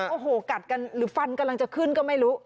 โอ้โหกัดกันหรือฟันกำลังจะขึ้นก็ไม่รู้